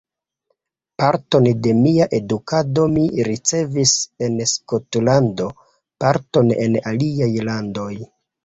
Parton de mia edukado mi ricevis en Skotlando, parton en aliaj landoj.